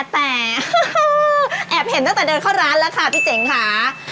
แต่แอบเห็นตั้งแต่เดินเข้าร้านแล้วค่ะพี่เจ๋งค่ะ